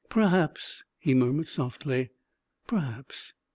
"Perhaps," he murmured softly, "perhaps!"